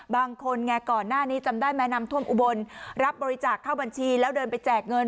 บางคนไงก่อนหน้านี้จำได้ไหมน้ำท่วมอุบลรับบริจาคเข้าบัญชีแล้วเดินไปแจกเงิน